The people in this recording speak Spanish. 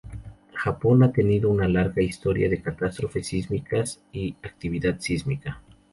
Japón ha tenido una larga historia de catástrofes sísmicas y actividad sísmica.